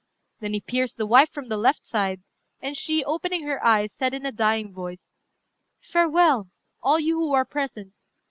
Then he pierced the wife from the left side; and she, opening her eyes, said in a dying voice "Farewell, all you who are present.